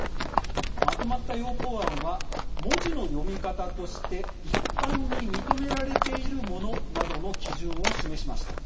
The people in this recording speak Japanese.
まとまった要綱案は文字の読み方として一般に認められているものなどの基準を示しました。